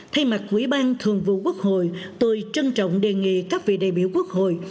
thay mặt quỹ ban thường vụ quốc hội tôi trân trọng đề nghị các vị đại biểu quốc hội